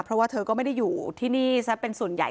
เพราะว่าเธอก็ไม่ได้อยู่ที่นี่ซะเป็นส่วนใหญ่